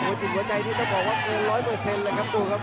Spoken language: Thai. กระโดยสิ้งเล็กนี่ออกกันขาสันเหมือนกันครับ